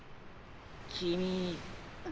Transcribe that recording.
君。